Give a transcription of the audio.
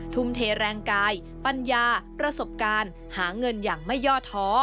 ทุ่มเทแรงกายปัญญาประสบการณ์หาเงินอย่างไม่ย่อท้อ